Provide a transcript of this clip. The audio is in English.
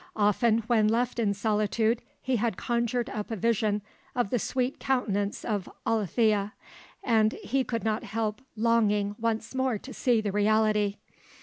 Often when left in solitude he had conjured up a vision of the sweet countenance of Alethea, and he could not help longing once more to see the reality.